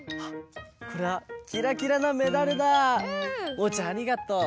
おうちゃんありがとう。